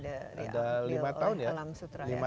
ada lima tahun ya